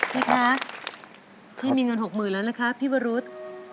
พี่คะพี่มีเงิน๖๐๐๐แล้วนะคะพี่วรุษ